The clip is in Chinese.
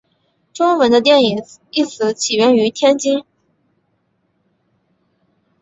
中文的电影一词起源于天津。